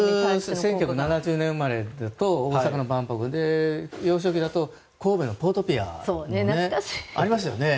僕ら１９７０年生まれだと大阪の万博で神戸のポートピアでありましたよね。